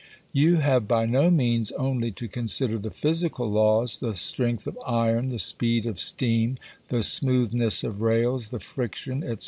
You have by no means only to consider the "physical" laws the strength of iron, the speed of steam, the smoothness of rails, the friction &c.